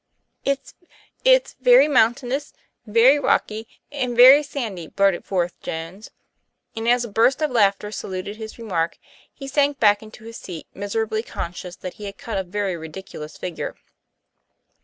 " It's very mountainous, very rocky, and very sandy," blurted forth Jones, and as a burst of laughter saluted his remark he sank back into his seat misera bly conscious that he had cut a very ridiculous figure.